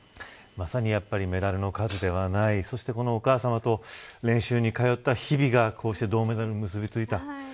まさにメダルの数ではないそして、お母さまと練習に通った日々がこうして銅メダルに結びついた。